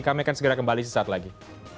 kami akan segera kembali sesaat lagi